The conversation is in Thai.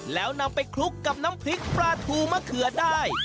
แล้วนำไปคลุกกับน้ำพริกปลาทูมะเขือได้